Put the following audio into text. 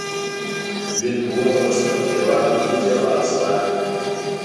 وین وون غوښتل پر دیوال وخیژي او عکس واخلي.